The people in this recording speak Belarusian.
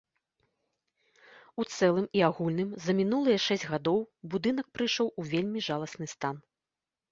У цэлым і агульным за мінулыя шэсць гадоў будынак прыйшоў у вельмі жаласны стан.